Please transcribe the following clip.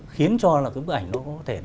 khiến cho bức ảnh nó có thể